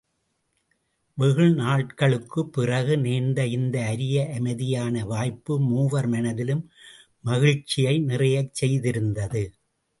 வெகு நாள்களுக்குப் பிறகு நேர்ந்த இந்த அரிய அமைதியான வாய்ப்பு மூவர் மனத்திலும் மகிழ்ச்சியை நிறையச் செய்திருந்தது.